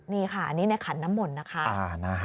นี่ค่ะอันนี้ในขันน้ำมนต์นะคะ